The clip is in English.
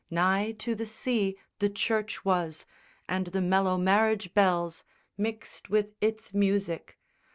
Nigh to the sea The church was, and the mellow marriage bells Mixed with its music.